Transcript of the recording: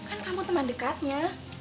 kan kamu teman dekatnya